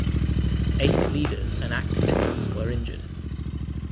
Eight leaders and activists were injured.